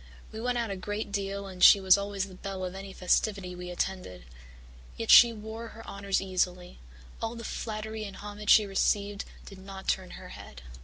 We went out a great deal and she was always the belle of any festivity we attended. Yet she wore her honours easily; all the flattery and homage she received did not turn her head.